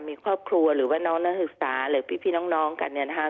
มีครอบครัวหรือว่าน้องนักศึกษาหรือพี่น้องกันเนี่ยนะคะ